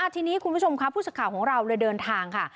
ทีนี้คุณผู้ชมค่ะผู้สื่อข่าวของเราเลยเดินทางค่ะ